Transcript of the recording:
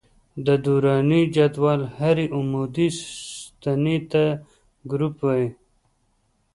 د دوراني جدول هرې عمودي ستنې ته ګروپ وايي.